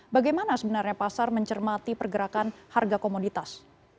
bagaimana sebenarnya pasar mencermati pergerakan harga komoditas